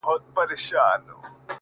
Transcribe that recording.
• کرۍ ورځ توري ګولۍ وې چلېدلې ,